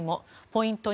ポイント